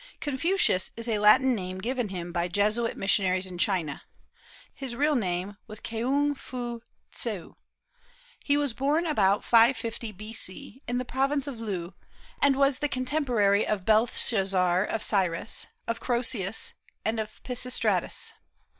"Confucius" is a Latin name given him by Jesuit missionaries in China; his real name was K'ung foo tseu. He was born about 550 B.C., in the province of Loo, and was the contemporary of Belshazzar, of Cyrus, of Croesus, and of Pisistratus.